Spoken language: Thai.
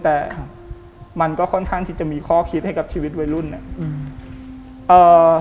แต่มันก็ค่อนข้างที่จะมีข้อคิดให้กับชีวิตวัยรุ่นเนี่ย